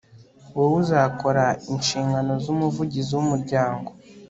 wowe uzakora inshingano z'umuvugizi w'umuryango